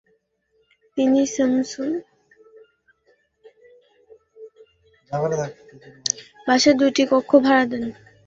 তিনি শামসুন নাহার নামের আরেক নারীকে বাসার দুটি কক্ষ ভাড়া দেন।